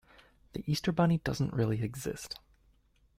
The Easter Bunny doesn’t really exist.